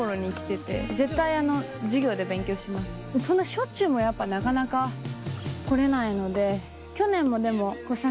そんなしょっちゅうもなかなか来れないので。